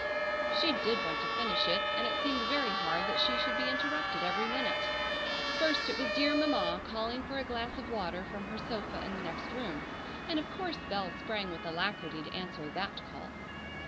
She did want to finish it, and it seemed very hard that she should be interrupted every minute. First it was dear Mamma calling for a glass of water from her sofa in the next room, and of course Bell sprang with alacrity to answer that call.